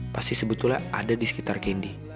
pasti sebetulnya ada di sekitar kendi